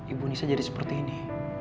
ibu nisa jadi seperti ini